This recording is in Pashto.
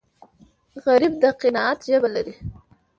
غریب د قناعت ژبه لري